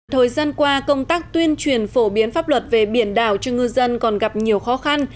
thời gian qua công tác tuyên truyền phổ biến pháp luật về biển đảo cho ngư dân còn gặp nhiều khó khăn